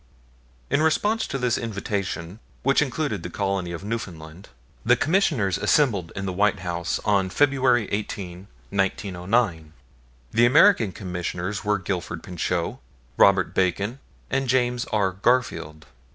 In response to this invitation, which included the colony of Newfoundland, the Commissioners assembled in the White House on February 18, 1909. The American Commissioners were Gifford Pinchot, Robert Bacon, and James R. Garfield.